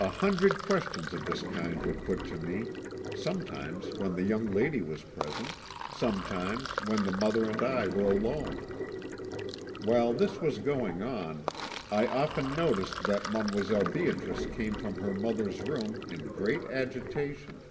"A hundred questions of this kind were put to me, sometimes when the young lady was present, sometimes when the mother and I were alone. While this was going on, I often noticed that Mdlle. Beatrice came from her mother's room in great agitation.